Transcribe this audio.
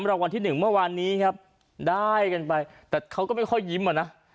รางวัลที่หนึ่งเมื่อวานนี้ครับได้กันไปแต่เขาก็ไม่ค่อยยิ้มอ่ะนะ